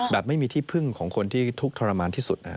แบบไม่มีที่พึ่งของคนที่ทุกข์ทรมานที่สุด